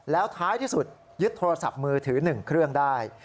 แล้วท้ายที่สุดยึดโทรศัพท์มือถือ๑เครื่องได้